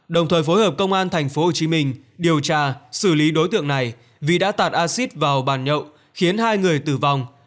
đồng thời phối hợp công an tp hcm điều tra xử lý đối tượng này vì đã tạt acid vào bàn nhậu khiến hai người tử vong